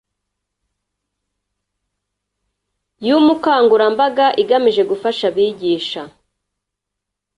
y umukangurambaga igamije gufasha abigisha